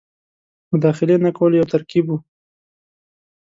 مداخلې نه کولو یو ترکیب وو.